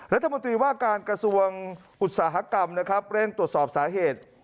รัฐมนตรีว่าการกระทรวงอุตสาหกรรมนะครับเร่งตรวจสอบสาเหตุ